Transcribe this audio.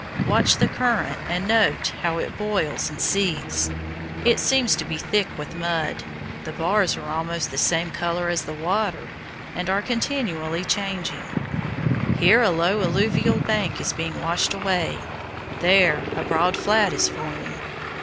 Watch the current and note how it boils and seethes. It seems to be thick with mud. The bars are almost of the same color as the water and are continually changing. Here a low alluvial bank is being washed away, there a broad flat is forming.